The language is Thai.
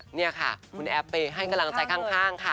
นี่ค่ะคุณแอฟไปให้กำลังใจข้างค่ะ